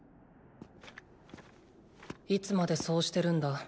いつまでそうしてるんだ？